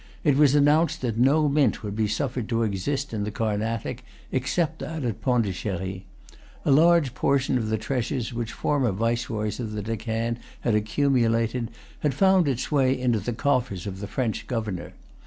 It was announced that no mint would be suffered to exist in the Carnatic except that at Pondicherry. A large portion of the treasures which former Viceroys of the Deccan had accumulated had found its way into the coffers of the French governor.